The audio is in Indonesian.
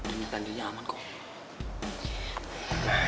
ini tandinya aman kok